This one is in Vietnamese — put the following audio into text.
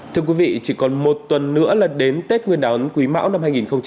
thưa quý vị chỉ còn một tuần nữa là đến tết nguyên đán quý mão năm hai nghìn hai mươi